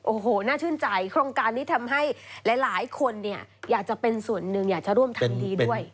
โอ้โหน่าชื่นใจโครงการนี้ทำให้หลายคนเนี่ยอยากจะเป็นส่วนหนึ่งอยากจะร่วมทำดีด้วย